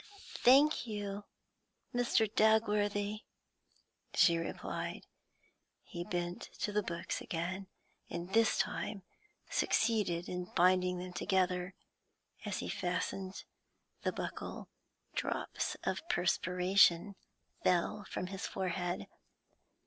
'Thank you, Mr. Dagworthy,' she replied. He bent to the books again, and this time succeeded in binding them together. As he fastened the buckle, drops of perspiration fell from his forehead.